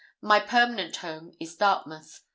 My permanent home is Dartmouth.